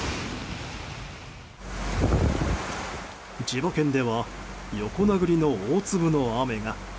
千葉県では横殴りの大粒の雨が。